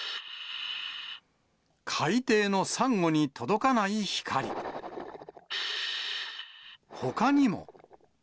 海底のサンゴに届かない光。ほかにも。